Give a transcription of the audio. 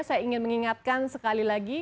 saya ingin mengingatkan sekali lagi